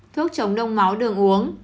thuốc chống đông máu đường uống